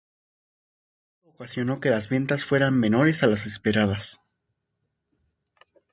Esto ocasionó que las ventas fueran menores a las esperadas.